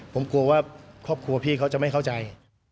ผมกลัวว่าครอบครัวพี่เขาจะไม่เข้าใจ